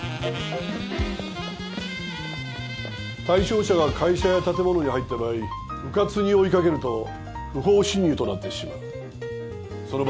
対象者が会社や建物に入った場合うかつに追い掛けると不法侵入となってしまう。